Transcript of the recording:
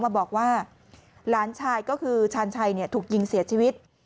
มาบอกว่าหลานชายก็คือชาญชัยถูกยิงเสียชีวิต